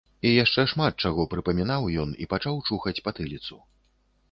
І яшчэ шмат чаго прыпамінаў ён і пачаў чухаць патыліцу.